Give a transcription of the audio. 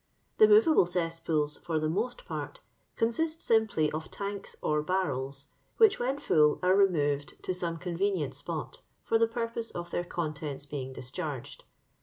" The movable cetspoohy for the most part, consist simply of tanks or barrels, wldch, when full, are removed to some convenient sp>Dt fr«r the purpose of their contents being ilisoliarge .l.